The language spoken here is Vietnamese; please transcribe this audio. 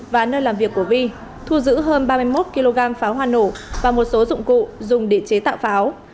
và nơi làm việc của vi thu giữ hơn ba mươi một kg pháo hoa nổ và một số dụng cụ dùng để chế tạo pháo